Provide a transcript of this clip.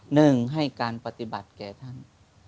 หนึ่งให้การปฏิบัติแก่ท่าน